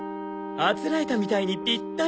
あつらえたみたいにピッタリ！